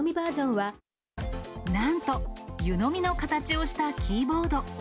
なんと、湯飲みの形をしたキーボード。